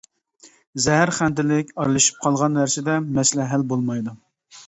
زەھەرخەندىلىك ئارىلىشىپ قالغان نەرسىدە مەسىلە ھەل بولمايدۇ.